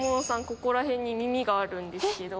ここら辺に耳があるんですけど。